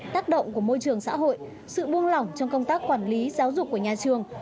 tác động của môi trường xã hội sự buông lỏng trong công tác quản lý giáo dục của nhà trường